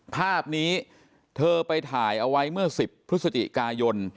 ภาพนี้เธอไปถ่ายเอาไว้เมื่อ๑๐พฤศจิกายน